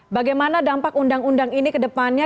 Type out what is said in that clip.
bagaimana dampak undang undang ini ke depannya